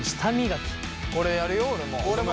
これやるよ俺も。